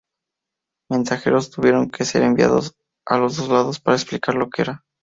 Mensajeros tuvieron que ser enviados a los dos lados para explicar lo que era.